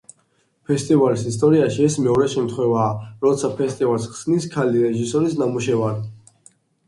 ფესტივალის ისტორიაში ეს მეორე შემთხვევაა, როცა ფესტივალს ხსნის ქალი რეჟისორის ნამუშევარი.